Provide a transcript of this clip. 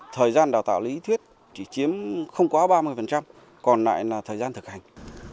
thời gian đào tạo lý thuyết chỉ chiếm không quá ba mươi còn lại là thời gian thực hành